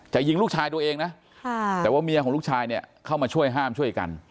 ยิงลูกชายตัวเองนะแต่ว่าเมียของลูกชายเนี่ยเข้ามาช่วยห้ามช่วยกัน